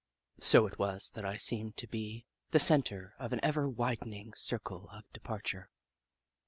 So it was that I seemed to be the centre of an ever widening circle of departure.